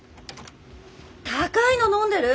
高いの飲んでる？